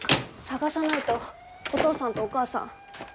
捜さないとお父さんとお母さん。